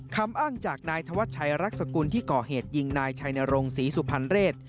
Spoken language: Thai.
คำอ้างจากนายธวัชชัยรักษกุลที่ก่อเหตุยิงนายชัยนรงศรีสุพรรณเรศ